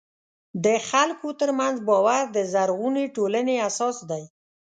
د خلکو ترمنځ باور د زرغونې ټولنې اساس دی.